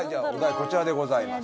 こちらでございます。